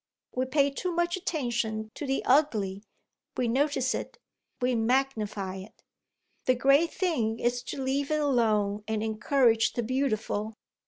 "We pay too much attention to the ugly; we notice it, we magnify it. The great thing is to leave it alone and encourage the beautiful."